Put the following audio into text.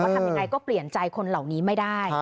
ทำยังไงก็เปลี่ยนใจคนเหล่านี้ไม่ได้